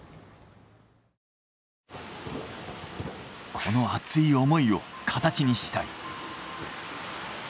この熱い思いを形にしたい。